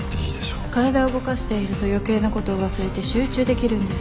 体を動かしていると余計なことを忘れて集中できるんです。